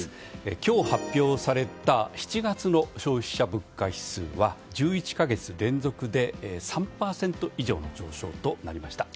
今日発表された７月の消費者物価指数は１１か月連続で３％以上の上昇となりました。